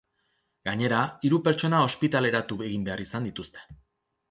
Gainera, hiru pertsona ospitaleratu egin behar izan dituzte.